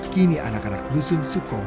kini anak anak dusun suko